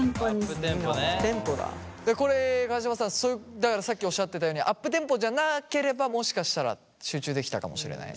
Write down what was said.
これ川島さんだからさっきおっしゃっていたようにアップテンポじゃなければもしかしたら集中できたかもしれない？